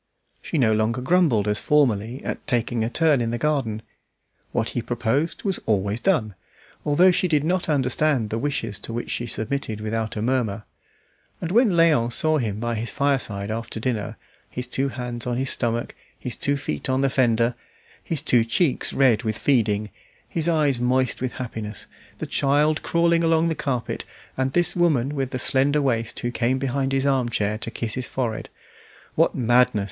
She no longer grumbled as formerly at taking a turn in the garden; what he proposed was always done, although she did not understand the wishes to which she submitted without a murmur; and when Léon saw him by his fireside after dinner, his two hands on his stomach, his two feet on the fender, his two cheeks red with feeding, his eyes moist with happiness, the child crawling along the carpet, and this woman with the slender waist who came behind his arm chair to kiss his forehead: "What madness!"